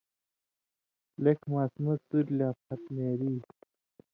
لیٙکھہۡ ماسُمہۡ سُوریۡ لا پھت نېری۔